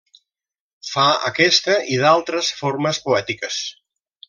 Fa aquesta i d'altres formes poètiques.